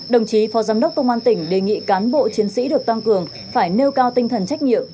đồng chí phó giám đốc công an tỉnh đề nghị cán bộ chiến sĩ được tăng cường phải nêu cao tinh thần trách nhiệm